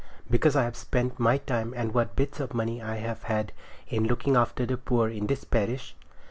Because I have spent my time and what bits of money I've had in looking after the poor in this parish!